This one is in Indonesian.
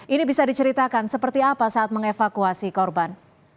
ini bisa diceritakan seperti apa saat mengevakuasi korban